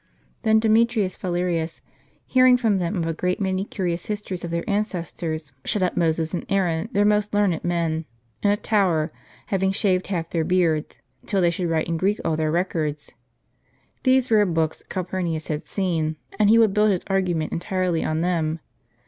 Then Demetrius Phalerius, hearing from them of a great many curious histories of their ancestors, shut up Moses and Aaron, their most learned w men, in a tower, having shaved half their beards, till they should write in Greek all their records. These rare books Calpurnius had seen, and he would build his argument entirely on them.